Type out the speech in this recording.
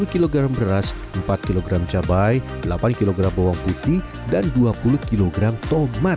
dua puluh kg beras empat kg cabai delapan kg bawang putih dan dua puluh kg tomat